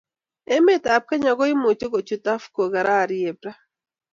Emet ab kenya ko imuche kuchut Afco karari eb raa